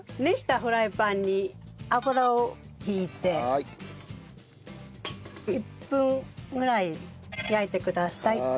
熱したフライパンに油を引いて１分ぐらい焼いてください。